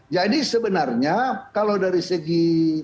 jadi sebenarnya kalau dari segi